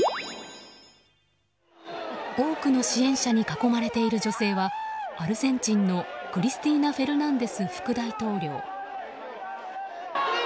多くの支援者に囲まれている女性はアルゼンチンのクリスティーナ・フェルナンデス副大統領。